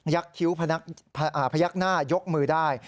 พยักหน้ายกมือได้